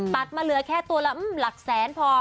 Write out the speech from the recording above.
มาเหลือแค่ตัวละหลักแสนพอ